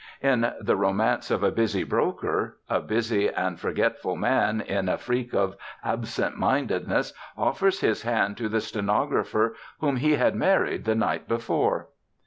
In the "Romance of a Busy Broker," a busy and forgetful man, in a freak of absent mindedness, offers his hand to the stenographer whom he had married the night before.